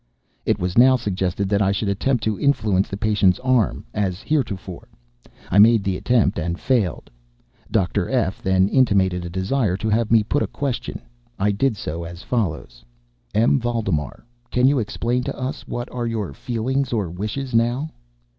It was now suggested that I should attempt to influence the patient's arm, as heretofore. I made the attempt and failed. Dr. F—— then intimated a desire to have me put a question. I did so, as follows: "M. Valdemar, can you explain to us what are your feelings or wishes now?"